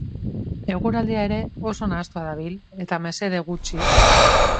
Eguraldia ere oso nahastua dabil eta mesede gutxi.